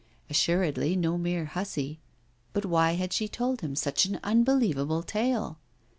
Assuredly no mere hussy. But why had she told him such an unbelievable tale?